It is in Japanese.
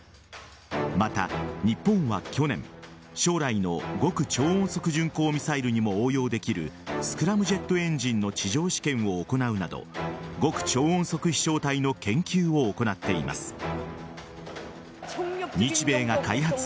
また、日本は去年将来の極超音速巡航ミサイルにも応用できるスクラムジェットエンジンの地上試験を行うなど極超音速飛翔体の研究を行っています。